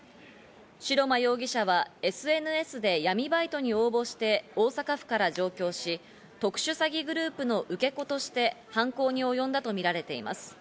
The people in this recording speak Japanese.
白間容疑者はＳＮＳで闇バイトに応募して大阪府から上京し、特殊詐欺グループの受け子として犯行に及んだとみられています。